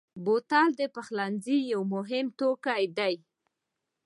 بوتل د پخلنځي یو مهم توکی دی.